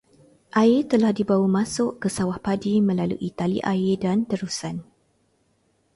Air telah dibawa masuk ke sawah padi melalui tali air dan terusan.